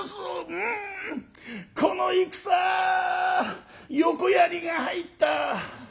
「うんこの戦横槍が入った」。